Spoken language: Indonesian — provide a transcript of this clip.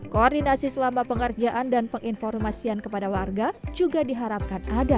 koordinasi selama pengerjaan dan penginformasian kepada warga juga diharapkan ada